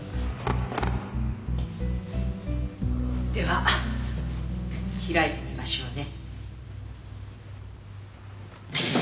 では開いてみましょうね。